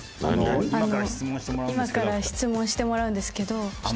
今から質問をしてもらうんですけど。